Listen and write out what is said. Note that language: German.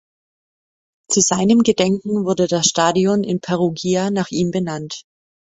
Zu seinem Gedenken wurde das Stadion in Perugia nach ihm benannt.